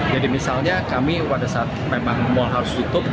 jadi misalnya kami pada saat memang mall harus tutup